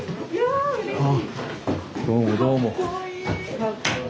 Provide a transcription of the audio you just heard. どうもどうも。